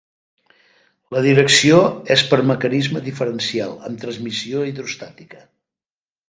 La direcció és per mecanisme diferencial amb transmissió hidrostàtica.